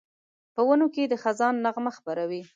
په ونو کې د خزان نغمه خپره وي